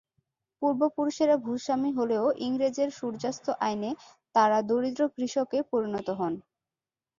পূর্বপুরুষেরা ভূস্বামী হলেও ইংরেজের সূর্যাস্ত আইনে তাঁরা দরিদ্র কৃষকে পরিণত হন।